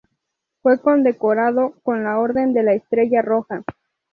Fue condecorado con la Orden de la Estrella Roja.